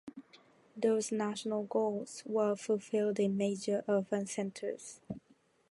Those national goals were fulfilled in major urban centers.